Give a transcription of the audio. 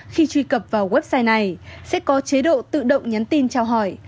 khi truy cập vào website này sẽ có chế độ tự động nhắn tin trao hỏi